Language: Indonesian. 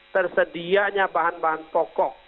tersedianya bahan bahan pokok